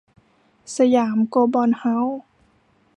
สยามโกลบอลเฮ้าส์